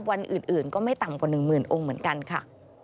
วันอื่นก็ไม่ต่ำกว่า๑หมื่นองค์เหมือนกันค่ะ